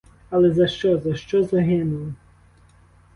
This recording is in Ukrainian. Але за що, за що загинули?